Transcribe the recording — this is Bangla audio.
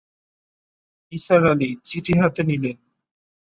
নিসার আলি চিঠি হাতে নিলেন।